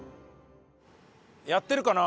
やってるかな？